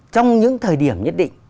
trong những thời điểm nhất định